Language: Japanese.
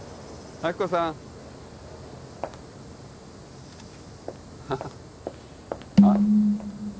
亜希子さんハハあっ？